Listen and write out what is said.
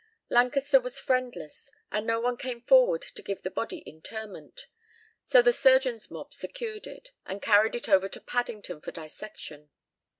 Lancaster was friendless, and no one came forward to give the body interment; so the "surgeon's mob" secured it, and carried it over to Paddington for dissection.